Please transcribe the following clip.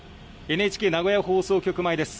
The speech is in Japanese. ＮＨＫ名古屋放送局前です。